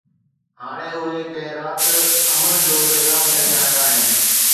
هاڻي اهي ڪنهن رات امن جو پيغام کڻي آيا آهن.